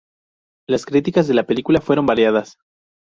Las críticas de la película fueron variadas.